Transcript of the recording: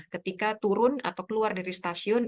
ketika turun atau keluar dari stasiun